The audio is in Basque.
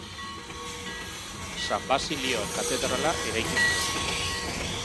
San Basilio katedrala eraiki zuen.